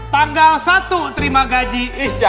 satu satu terima gaji